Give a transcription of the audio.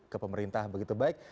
ke pemerintah begitu baik